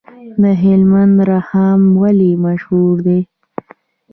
د هلمند رخام ولې مشهور دی؟